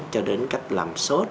cho đến cách làm sốt